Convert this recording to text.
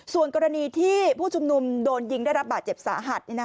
ส่วนกรณีที่ผู้ชุมนุมโดนยิงได้รับบาดเจ็บสาหัส